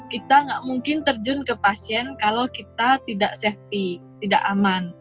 kita nggak mungkin terjun ke pasien kalau kita tidak safety tidak aman